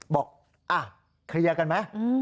บอกเคลียร์กันไหม